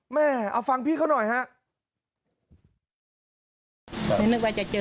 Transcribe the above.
แม่เอาฟังพี่เขาหน่อยฮะ